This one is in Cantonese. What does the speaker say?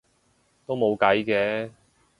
都冇計嘅